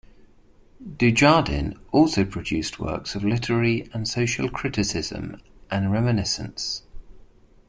Dujardin also produced works of literary and social criticism and reminiscence.